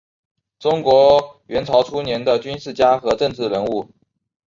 中国元朝初年的军事家和政治人物。